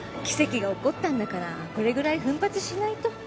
奇跡が起こったんだからこれぐらい奮発しないと。